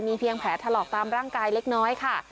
เพียงแผลถลอกตามร่างกายเล็กน้อยค่ะ